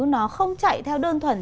nó không chạy theo đơn thuần